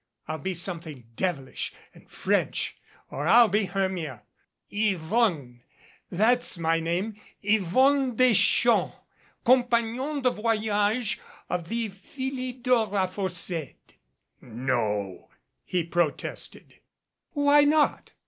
I'll be something devilish and French or I'll be Hermia. Yvonne that's my name Yvonne Des champs, compagnon de voyage of the Philidor aforesaid." "No," he protested. "Why not?"